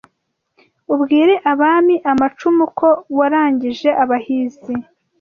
Ubwire Abami amacumu ko warangije abahizi